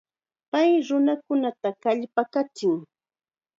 Pay nunakunata kallpakachin.